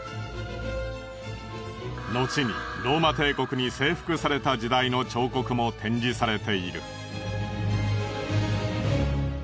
後にローマ帝国に征服された時代の彫刻も展示されている。